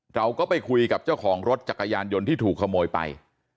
เราก็ไปคุยกับเจ้าของรถจักรยานยนต์ที่ถูกขโมยไป